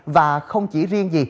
và không chỉ riêng gì